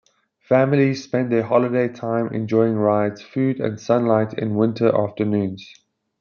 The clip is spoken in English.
Families spend their holiday time enjoying rides, food and sunlight in winter afternoons.